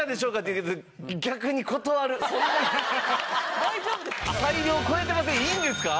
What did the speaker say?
いいんですか？